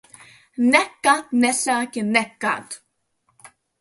Nekad nesaki nekad!